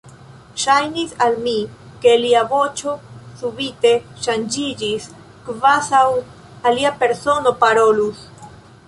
Ŝajnis al mi, ke lia voĉo subite ŝanĝiĝis, kvazaŭ alia persono parolus.